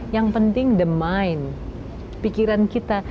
yang penting the mind pikiran kita